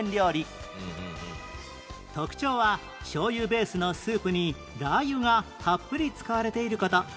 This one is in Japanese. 特徴はしょうゆベースのスープにラー油がたっぷり使われている事